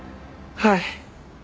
はい。